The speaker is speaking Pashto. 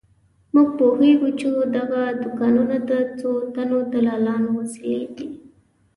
موږ پوهېږو چې دغه دوکانونه د څو تنو دلالانو وسیلې دي.